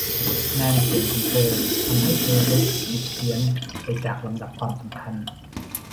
งานเขียนของเธอทำให้เธอรู้สึกผิดเพี้ยนไปจากลำดับความสำคัญ